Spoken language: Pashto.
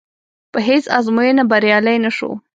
په هېڅ ازموینه بریالی نه شو.